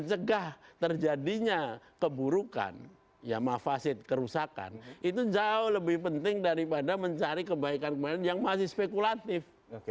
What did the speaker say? dan cegah terjadinya keburukan ya mafasid kerusakan itu jauh lebih penting daripada mencari kebaikan kemanusiaan yang masih spekulatif